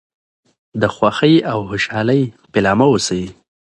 د خوښۍ او خوشحالی پيلامه اوسي .